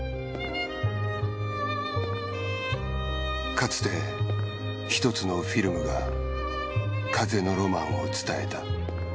かつてひとつのフィルムが風のロマンを伝えた。